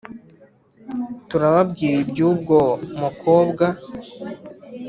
turababwira iby ‘ubwo mukobwa.